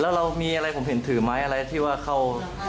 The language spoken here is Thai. แล้วเรามีอะไรผมเห็นถือไม้อะไรที่ว่าเข้า